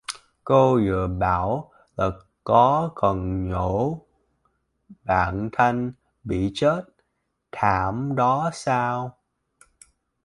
Cô vừa bảo là có con nhỏ bạn thân bị chết thảm đó sao